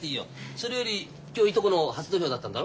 それより今日いとこの初土俵だったんだろ。